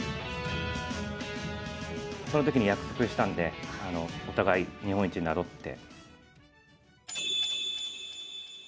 そのときに約束したんで、お互い日本一になろうって。